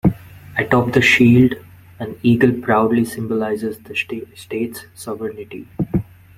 Atop the shield an eagle proudly symbolizes the state's sovereignty.